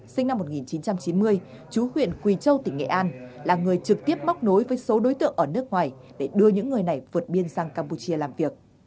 sinh năm một nghìn chín trăm chín mươi chú huyện quỳ châu tỉnh nghệ an là người trực tiếp móc nối với số đối tượng ở nước ngoài để đưa những người này vượt biên sang campuchia làm việc